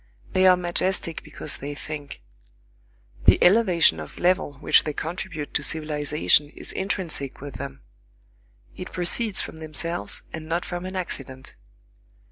They are majestic because they think. The elevation of level which they contribute to civilization is intrinsic with them; it proceeds from themselves and not from an accident.